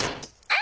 あ！